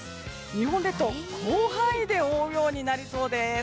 日本列島、広範囲で覆うようになりそうです。